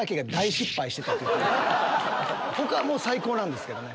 他は最高なんですけどね。